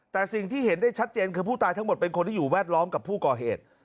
แต่สิ่งที่เห็นได้ชัดเจนคือผู้ตายทั้งหมดเป็นคนที่อยู่แวดล้อมกับผู้ก่อเหตุ